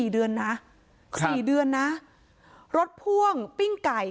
๔เดือนนะ๔เดือนนะรถพ่วงปิ้งไก่